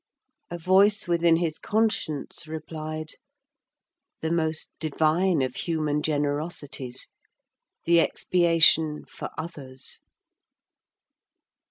A voice within his conscience replied: "The most divine of human generosities, the expiation for others."